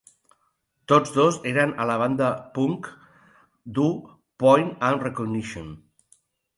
Tots dos eren a la banda punk dur Point of Recognition.